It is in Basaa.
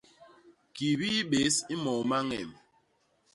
Kibii bés i moo ma ñemb.